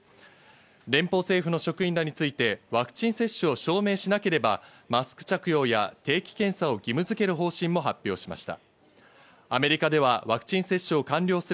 連邦政府の職員らについてワクチン接種を証明しなければ、マスク着用や定期検査を義務づける方針も発表しました。